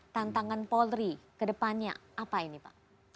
tantangan polri kedepannya apa ini pak